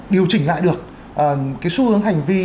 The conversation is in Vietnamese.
điều chỉnh lại được cái xu hướng hành vi